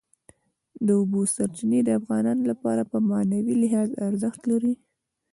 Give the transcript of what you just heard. د اوبو سرچینې د افغانانو لپاره په معنوي لحاظ ارزښت لري.